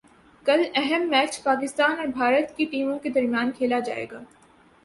کل اہم میچ پاکستان اور بھارت کی ٹیموں کے درمیان کھیلا جائے گا